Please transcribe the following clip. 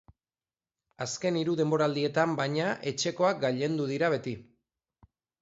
Azken hiru denboraldietan, baina, etxekoak gailendu dira beti.